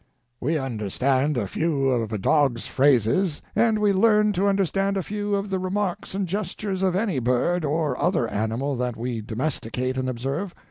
We understand a few of a dog's phrases and we learn to understand a few of the remarks and gestures of any bird or other animal that we domesticate and observe.